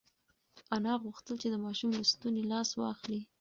انا غوښتل چې د ماشوم له ستوني لاس واخلي.